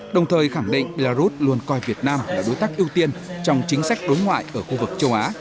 đồng thời khẳng định belarus luôn coi việt nam là đối tác ưu tiên trong chính sách đối ngoại ở khu vực châu á